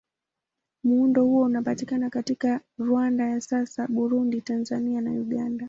Muundo huo unapatikana katika Rwanda ya sasa, Burundi, Tanzania na Uganda.